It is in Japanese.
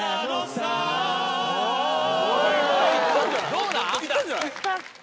どうだ？